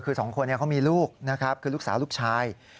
คือสองคนเขามีลูกนะครับคือลูกสาวลูกชาย